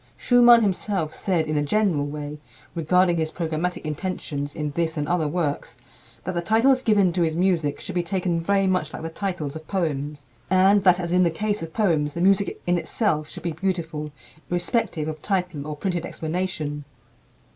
Schumann himself said, in a general way, regarding his programmatic intentions in this and other works, that the titles given to his music should be taken very much like the titles of poems, and that, as in the case of poems, the music in itself should be beautiful, irrespective of title or printed explanation.